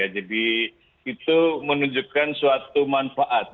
jadi itu menunjukkan suatu manfaat